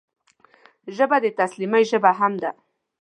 ژبه د تسلیمۍ ژبه هم ده